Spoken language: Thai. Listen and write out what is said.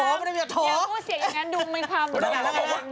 อย่าพูดเสียงนั้นดูมันความติดต่างกัน